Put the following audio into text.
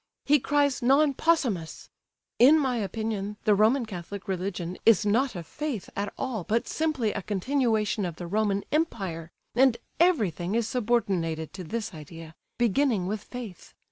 He cries 'non possumus!' In my opinion the Roman Catholic religion is not a faith at all, but simply a continuation of the Roman Empire, and everything is subordinated to this idea—beginning with faith.